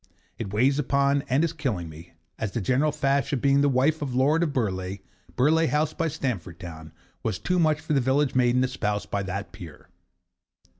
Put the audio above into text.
It weighs upon and is killing me, as the general fash of being the wife of the Lord of Burleigh, Burleigh House by Stamford Town, was too much for the village maiden espoused by that peer.